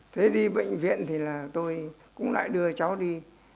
thế đi bệnh viện thì là tôi cũng lại đưa cháu đi